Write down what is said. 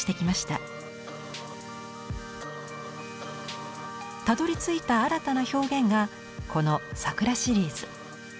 たどりついた新たな表現がこの「桜」シリーズ。